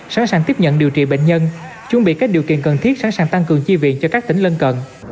sẵn sàng tiếp nhận điều trị bệnh nhân chuẩn bị các điều kiện cần thiết sẵn sàng tăng cường chi viện cho các tỉnh lân cận